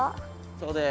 そうです。